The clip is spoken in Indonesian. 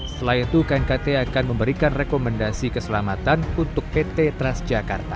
selain itu knkt akan memberikan rekomendasi keselamatan untuk pt transjakarta